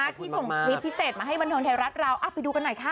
ที่ส่งคลิปพิเศษมาให้บันเทิงไทยรัฐเราไปดูกันหน่อยค่ะ